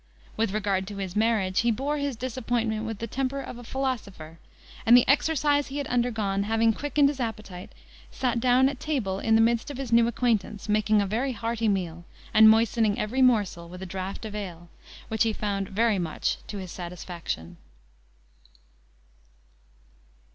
With regard to his marriage, he bore his disappointment with the temper of a philosopher; and the exercise he had undergone having quickened his appetite, sat down at table in the midst of his new acquaintance, making a very hearty meal, and moistening every morsel with a draught of the ale, which he found very much to his satisfaction.